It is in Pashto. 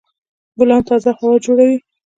ګلان تازه هوا جوړوي.